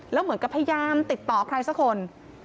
แล้วเหมือนกับพยายามติดต่อใครสักคน